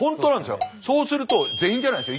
そうすると全員じゃないですよ